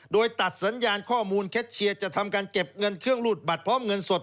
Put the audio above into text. โดยตัดสัญญาณข้อมูลแคทเชียร์จะทำการเก็บเงินเครื่องรูดบัตรพร้อมเงินสด